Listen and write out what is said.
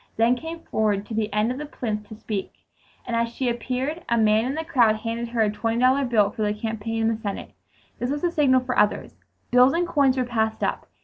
then came forward to the end of the plinth to speak, and as she appeared, a man in the crowd handed her a twenty dollar bill for the campaign in the Senate. This was the signal for others. Bills and coins were passed up.